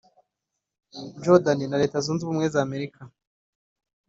Jordan na Leta Zunze Ubumwe za Amerika